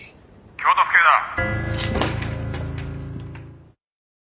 「京都府警だ」